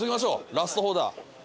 ラストオーダー。